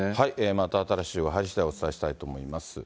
また新しい情報入りしだい、お伝えしたいと思います。